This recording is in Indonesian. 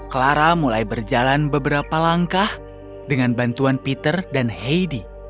clara mulai berjalan beberapa langkah dengan bantuan peter dan heidi